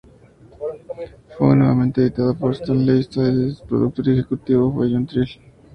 Fue nuevamente editada por Stanley Sadie, y el productor ejecutivo fue John Tyrrell.